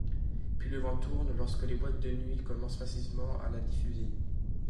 Puis le vent tourne lorsque les boîtes de nuit commencent massivement à la diffuser.